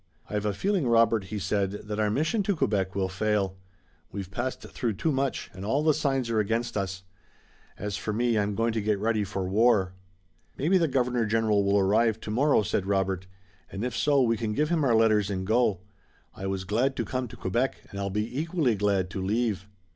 "I've a feeling, Robert," he said, "that our mission to Quebec will fail. We've passed through too much, and all the signs are against us. As for me, I'm going to get ready for war." "Maybe the Governor General will arrive tomorrow," said Robert, "and if so we can give him our letters and go. I was glad to come to Quebec, and I'll be equally glad to leave."